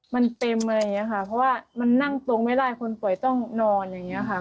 มันเต็มอะไรอย่างนี้ค่ะเพราะว่ามันนั่งตรงไม่ได้คนป่วยต้องนอนอย่างนี้ค่ะ